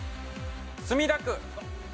墨田区。